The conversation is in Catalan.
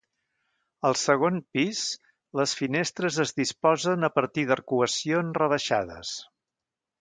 Al segon pis, les finestres es disposen a partir d'arcuacions rebaixades.